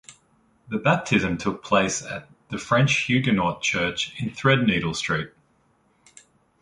The baptism took place at the French Huguenot church in Threadneedle Street.